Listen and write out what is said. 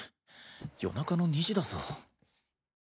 夜中の２時だぞ？